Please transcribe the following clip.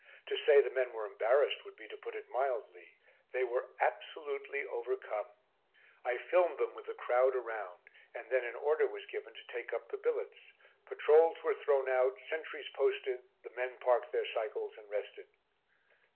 To say the men were embarrassed would be to put it mildly. They were absolutely overcome. I filmed them with the crowd around. And then an order was given to take up billets. Patrols were thrown out, sentries posted, the men parked their cycles and rested.